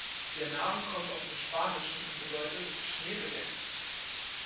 Der Name kommt aus dem Spanischen und bedeutet „schneebedeckt“.